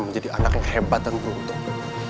menjadi anak yang hebat dan beruntung